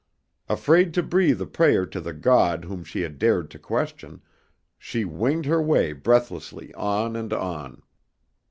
Afraid to breathe a prayer to the God whom she had dared to question, she winged her way breathlessly on and on.